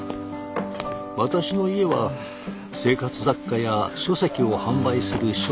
私の家は生活雑貨や書籍を販売する商店。